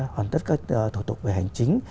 hoàn tất các thủ tục về hành chính